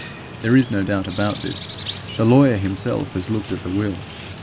There is no doubt about this; the lawyer himself has looked at the will.